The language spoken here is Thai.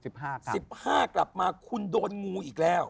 แบบโน้น๑๕กลับมาคุณโดนงูอีกแล้ว